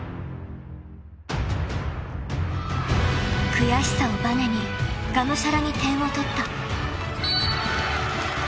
［悔しさをばねにがむしゃらに点を取った］